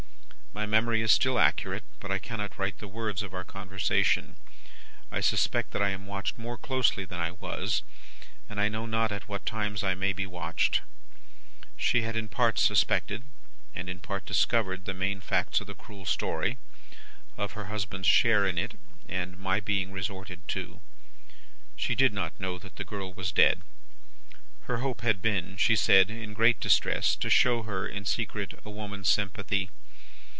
"My memory is still accurate, but I cannot write the words of our conversation. I suspect that I am watched more closely than I was, and I know not at what times I may be watched. She had in part suspected, and in part discovered, the main facts of the cruel story, of her husband's share in it, and my being resorted to. She did not know that the girl was dead. Her hope had been, she said in great distress, to show her, in secret, a woman's sympathy.